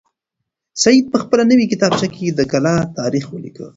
سعید په خپله نوې کتابچه کې د کلا تاریخ ولیکه.